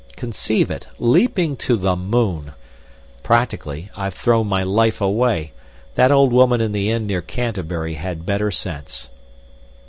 Conceive it! leaping to the moon! Practically—I've thrown my life away! That old woman in the inn near Canterbury had better sense."